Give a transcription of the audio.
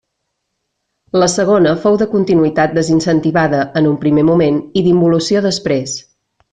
La segona fou de continuïtat desincentivada, en un primer moment, i d'involució després.